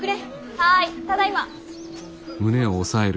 はいただいま。